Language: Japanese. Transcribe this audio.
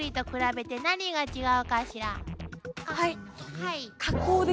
はい。